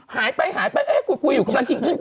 หายไปคุยอยู่กำลัง